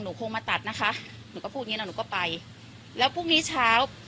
คงมาตัดนะคะหนูก็พูดอย่างงี้แล้วหนูก็ไปแล้วพรุ่งนี้เช้า